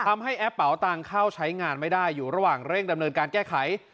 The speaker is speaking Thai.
แอปเป๋าตังค์เข้าใช้งานไม่ได้อยู่ระหว่างเร่งดำเนินการแก้ไข